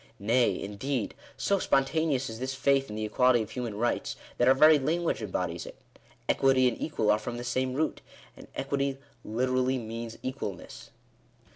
Nay, indeed, so spontaneous is this faith in the equality of human rights, that our very lan guage embodies it. Equity and equal are from the same root; and equity literally means equalness.